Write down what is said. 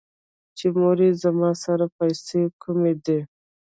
چې مورې زما سره پېسې کوم دي ـ